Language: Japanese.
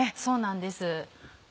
そうなんです。